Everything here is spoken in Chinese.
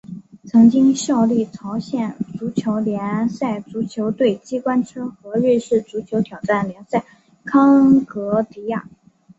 曾经效力朝鲜足球联赛足球队机关车和瑞士足球挑战联赛康戈迪亚。